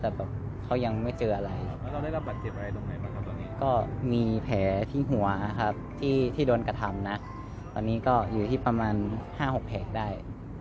แล้วแผงคุณว่าไงบ้างครับให้นอนโรงพยาบาลต่อหรือว่าให้เจ้าป้านได้